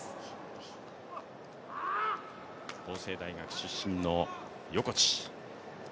法政大学出身の横地。